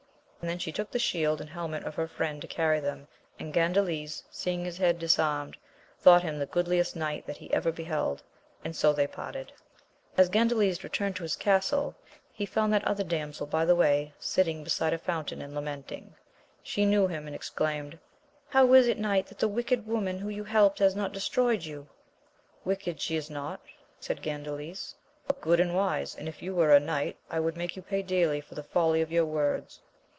And then she took the shield and hel met of her friend to carry them, and Gandales, seeing his head disarmed, thought him tlaa ^oo^\^%t km^\, that he bad ever beheld, au4 ?io \Xiey ^«kX\»^^. \ 9 r AMADIS OF GAUL. 19 As Gandales returned to his castle he found that other damsel by the way, sitting beside a fountain and lamenting. She knew him and exclaimed, How is it knight that the wicked woman whom you helped has not destroyed you? Wicked she is not, said Gandales, but good and wise, and if you were a knight I would make you pay dearly for the folly of your words.